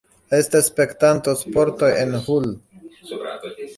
Estas spektanto-sportoj en Hull.